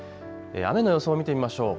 雨の予想を見てみましょう。